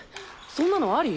そんなのあり？